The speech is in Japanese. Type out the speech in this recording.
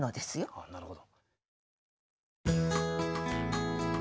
あっなるほど。